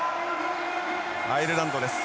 アイルランドです。